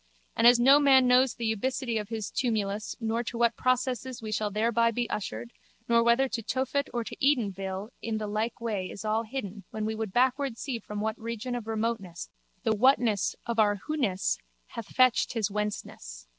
And as no man knows the ubicity of his tumulus nor to what processes we shall thereby be ushered nor whether to Tophet or to Edenville in the like way is all hidden when we would backward see from what region of remoteness the whatness of our whoness hath fetched his whenceness.